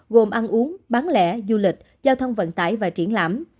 gồm ăn uống bán lẻ du lịch giao thông vận tải và triển lãm